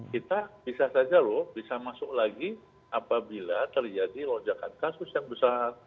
kita bisa saja loh bisa masuk lagi apabila terjadi lonjakan kasus yang besar